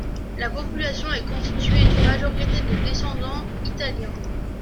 La population est constituée d'une majorité de descendants italiens.